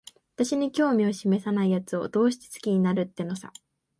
私に興味しめさないやつを、どうして好きになるってのさ。